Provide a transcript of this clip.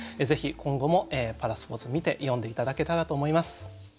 ぜひ今後もパラスポーツ見て詠んで頂けたらと思います。